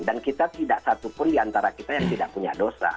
kita tidak satupun diantara kita yang tidak punya dosa